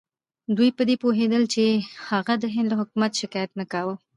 دوی په دې پوهېدل چې هغه د هند له حکومت شکایت نه کاوه.